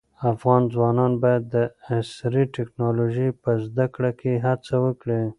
افغان ځوانان باید د عصري ټیکنالوژۍ په زده کړه کې هڅه وکړي.